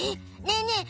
ねえねえ